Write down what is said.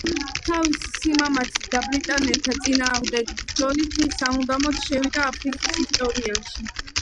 თავისი სიმამაცით და ბრიტანელთა წინააღმდეგ ბრძოლით, ის სამუდამოდ შევიდა აფრიკის ისტორიაში.